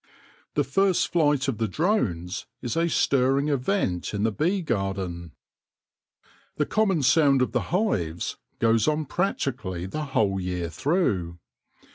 The first flight of the drones is a stirring event in the bee garden. The common sound of the hives goes on practically the whole year through.